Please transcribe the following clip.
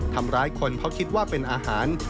ทำร้ายคนเพราะคิดว่าเป็นอาหาร